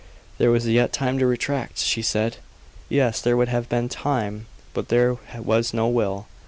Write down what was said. There was yet time to retract she said. Yes; there would have been time; but there was no will.